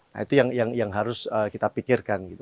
nah itu yang harus kita pikirkan gitu